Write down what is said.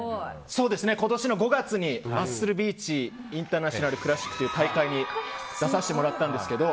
今年の５月にマッスルビーチインターナショナルクラシックという大会に出させてもらったんですけど